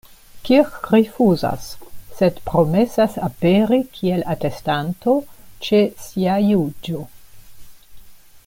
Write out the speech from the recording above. Kirk rifuzas, sed promesas aperi kiel atestanto ĉe sia juĝo.